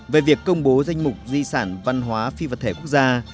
về việc công bố danh mục di sản văn hóa phi vật thể quốc gia